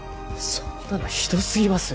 そんなのひどすぎます